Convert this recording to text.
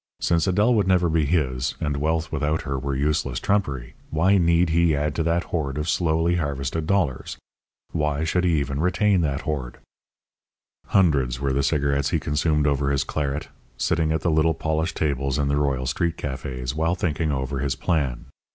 Since Adèle would never be his, and wealth without her were useless trumpery, why need he add to that hoard of slowly harvested dollars? Why should he even retain that hoard? Hundreds were the cigarettes he consumed over his claret, sitting at the little polished tables in the Royal street cafés while thinking over his plan.